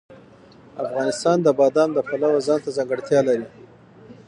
افغانستان د بادام د پلوه ځانته ځانګړتیا لري.